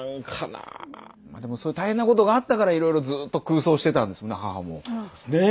でもそういう大変なことがあったからいろいろずっと空想してたんですもんね母も。ねえ！